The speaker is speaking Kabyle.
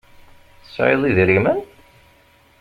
Tesεiḍ idrimen?